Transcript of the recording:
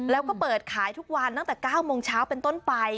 แล้วก็เปิดขายทุกวันตั้งแต่๙โมงเช้าเป็นต้นไป